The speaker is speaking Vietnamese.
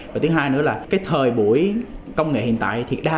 và thứ hai nữa là cái thời buổi công nghệ hiện tại